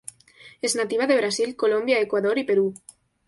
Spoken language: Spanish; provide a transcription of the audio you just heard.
Es nativa de Brasil, Colombia, Ecuador y Perú.